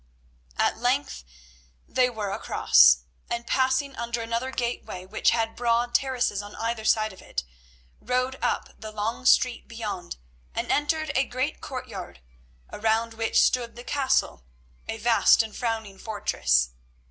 At length they were across, and, passing under another gateway which had broad terraces on either side of it, rode up the long street beyond and entered a great courtyard, around which stood the castle, a vast and frowning fortress.